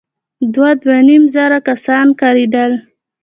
دوه ، دوه نيم زره کسان ښکارېدل.